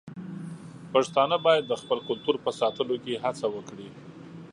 پښتانه بايد د خپل کلتور په ساتلو کې هڅه وکړي.